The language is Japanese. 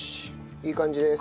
いい感じです。